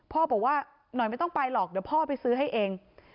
บอกว่าหน่อยไม่ต้องไปหรอกเดี๋ยวพ่อไปซื้อให้เอง